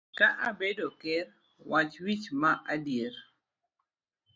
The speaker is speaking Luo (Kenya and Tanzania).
Ka abedo ker, wach wich ma adier.